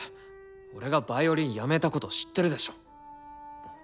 俺がヴァイオリンやめたこと知ってるでしょ。